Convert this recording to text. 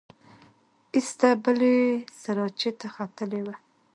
ایسته بلې سراچې ته ختلې وه.